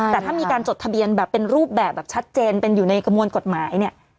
แต่ถ้ามีการจดทะเบียนแบบเป็นรูปแบบแบบชัดเจนเป็นอยู่ในกระมวลกฎหมายเนี่ย